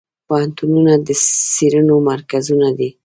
پوهنتونونه د څیړنو مرکزونه دي.